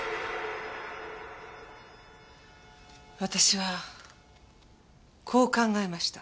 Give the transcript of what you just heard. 私はこう考えました。